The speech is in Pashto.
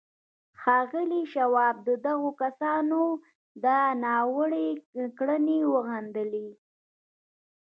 ښاغلي شواب د دغو کسانو دا ناوړه کړنې وغندلې